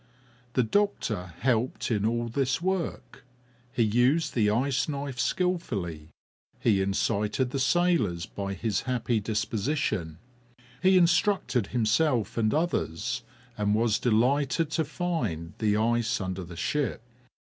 The doctor helped in all this work; he used the ice knife skilfully; he incited the sailors by his happy disposition. He instructed himself and others, and was delighted to find the ice under the ship.